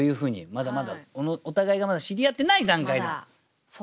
まだまだお互いがまだ知り合ってない段階だっていうね。